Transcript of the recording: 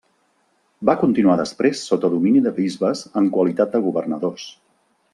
Va continuar després sota domini de bisbes en qualitat de governadors.